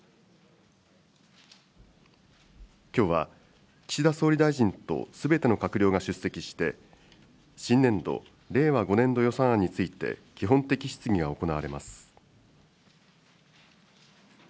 きょうは、岸田総理大臣とすべての閣僚が出席して、新年度・令和５年度予算案について、基本的質疑が行われます。